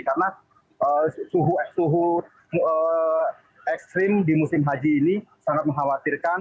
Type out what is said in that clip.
karena suhu ekstrim di musim haji ini sangat mengkhawatirkan